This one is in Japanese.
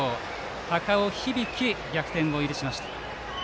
高尾響、逆転を許しました。